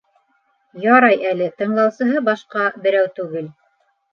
Ярай әле тыңлаусыһы башҡа берәү түгел.